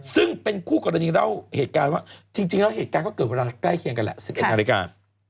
ซึ่งเป็นคู่กรณีเล่าเหตุการณ์ว่าจริงแล้วเหตุการณ์ก็เกิดเวลาใกล้เคียงกันแหละ๑๑นาฬิกา